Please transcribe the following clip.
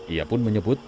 ia pun menyebut